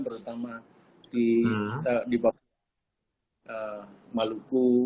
terutama di bawah maluku